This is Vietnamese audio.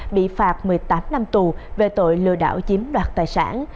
bị phạt một mươi tám năm tù về tội lừa đảo chiếm đoạt tài sản